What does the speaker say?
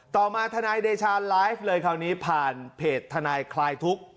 ต่อมาทนายเดชาไลฟ์เลยคราวนี้ผ่านเพจทนายคลายทุกข์